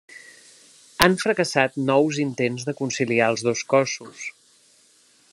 Han fracassat nous intents de conciliar els dos cossos.